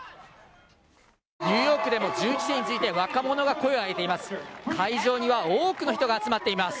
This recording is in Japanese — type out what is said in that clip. ニューヨークでも銃規制について若者が声を上げています。